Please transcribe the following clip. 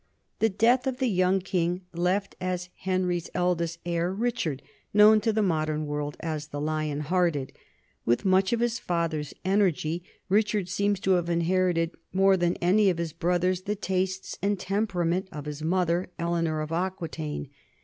The death of the Young King left as Henry's eldest heir Richard, known to the modern world as the Lion Hearted. With much of his father's energy, Richard seems to have inherited more than any of his brothers the tastes and temperament of his mother, Eleanor of Aquitaine.